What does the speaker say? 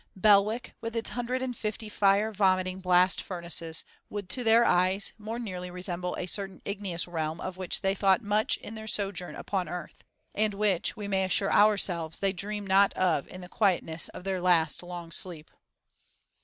Belwick, with its hundred and fifty fire vomiting blast furnaces, would to their eyes more nearly resemble a certain igneous realm of which they thought much in their sojourn upon earth, and which, we may assure ourselves, they dream not of in the quietness of their last long sleep.